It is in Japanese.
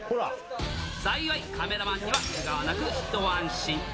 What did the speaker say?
幸い、カメラマンにはけがはなく、一安心。